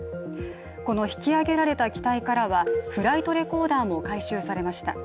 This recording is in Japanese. この引き揚げられた機体からはフライトレコーダーも回収されました。